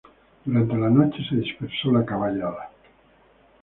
Durante la noche se dispersó la caballada.